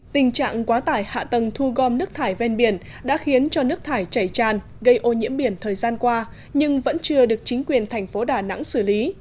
tình trạng quá tải hạ tầng thu gom nước thải ven biển đã khiến cho nước thải chảy tràn gây ô nhiễm biển thời gian qua nhưng vẫn chưa được chính quyền thành phố đà nẵng xử lý